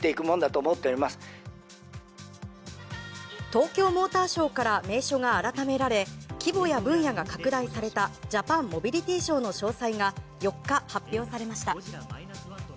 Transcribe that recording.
東京モーターショーから名称が改められ規模や分野が拡大されたジャパンモビリティーショーの詳細が４日、発表されました。